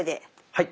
はい。